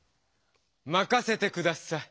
まかせて下さい。